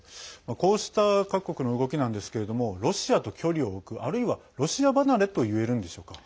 こうした各国の動きなんですけれどもロシアと距離を置く、あるいはロシア離れといえるんでしょうか。